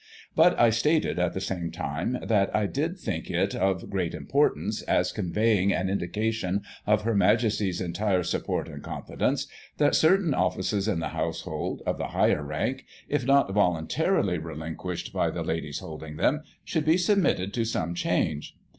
But, I stated, at the same time, that I did think it of great importance, as conveying an indication of Her Majesty's entire support and confidence, that certain offices in the house hold, of the higher rank, if not volimtarily relinquished by the Ladies holding them, should be submitted to some change.